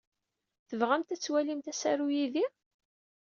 Tebɣamt ad twalimt asaru yid-i?